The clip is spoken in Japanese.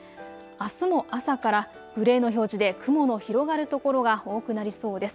あすの朝からグレーの表示で雲の広がる所が多くなりそうです。